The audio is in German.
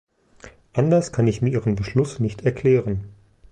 Anders kann ich mir ihren Beschluss nicht erklären.